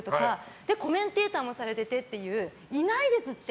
それでコメンテーターもされててっていないですって！